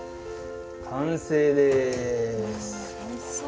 完成です。